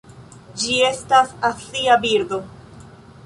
Ĝi estas azia birdo.